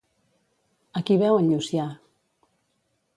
A qui veu en Llucià?